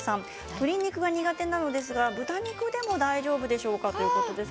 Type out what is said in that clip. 鶏肉が苦手なのですが豚肉でも大丈夫でしょうかということです。